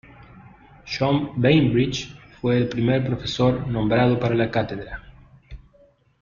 John Bainbridge fue el primer profesor nombrado para la cátedra.